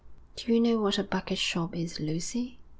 'Do you know what a bucketshop is, Lucy?'